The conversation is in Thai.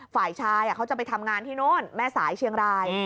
ฝ่ายชายเขาจะไปทำงานที่โน่นแม่สายเชียงราย